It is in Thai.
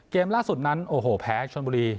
เกมล่าสุดนั้นโอ้โหแพ้ชนบุรี